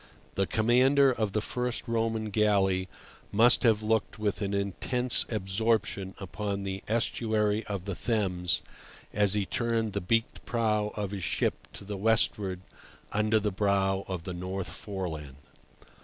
The commander of the first Roman galley must have looked with an intense absorption upon the estuary of the Thames as he turned the beaked prow of his ship to the westward under the brow of the North Foreland.